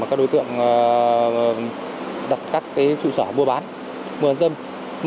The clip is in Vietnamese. các đối tượng đặt các trụ sở mua bán mua bán dâm